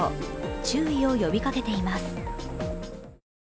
注意を呼びかけています。